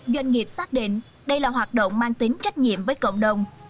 doanh nghiệp xác định đây là hoạt động mang tính trách nhiệm với cộng đồng